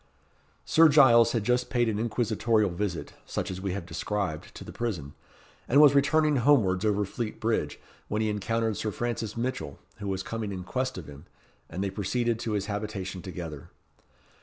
Sir Giles had just paid an inquisitorial visit, such as we have described, to the prison, and was returning homewards over Fleet Bridge, when he encountered Sir Francis Mitchell, who was coming in quest of him, and they proceeded to his habitation together.